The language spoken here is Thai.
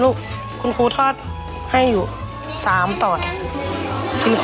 หื้อหื้อหื้อหื้อ